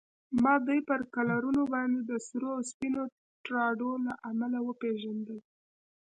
ما دوی پر کالرونو باندې د سرو او سپینو ټراډو له امله و پېژندل.